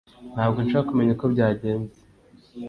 Ntabwo nshobora kumenya uko byagenze